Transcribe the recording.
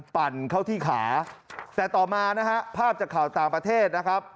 ปั่นเข้าที่ขาแต่ต่อมาภาพจากข่าวต่างประเทศ